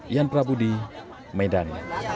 ian prabudi medan